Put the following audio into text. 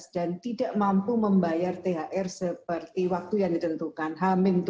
dan tidak mampu membayar thr seperti waktu yang ditentukan h tujuh